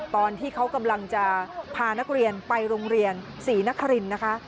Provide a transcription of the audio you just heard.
ตอนที่เขากำลังจะพานักเรียนไปโรงเรียนศรีนครินนะคะ